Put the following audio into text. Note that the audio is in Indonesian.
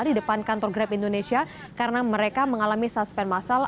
di depan kantor grab indonesia karena mereka mengalami suspend masal